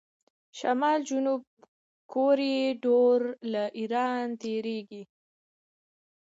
شمال جنوب کوریډور له ایران تیریږي.